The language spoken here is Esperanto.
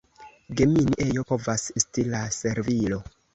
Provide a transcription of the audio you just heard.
Gemini ejo povas esti la servilo.